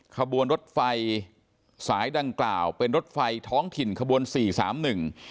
ขบวนรถไฟสายดังกล่าวเป็นรถไฟท้องถิ่นขบวน๔๓๑